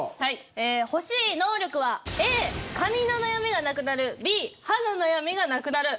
欲しい能力はＡ髪の悩みがなくなるＢ歯の悩みがなくなる。